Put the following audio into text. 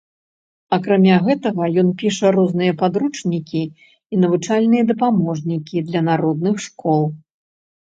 Акрамя гэтага, ён піша розныя падручнікі і навучальныя дапаможнікі для народных школ.